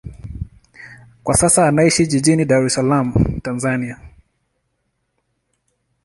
Kwa sasa anaishi jijini Dar es Salaam, Tanzania.